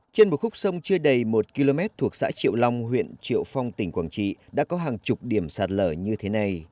trên một khúc sông chưa đầy một km thuộc xã triệu long huyện triệu phong tỉnh quảng trị đã có hàng chục điểm sạt lở như thế này